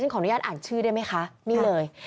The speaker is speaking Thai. ขออนุญาตอ่านชื่อได้ไหมคะนี่เลย